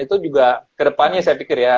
itu juga kedepannya saya pikir ya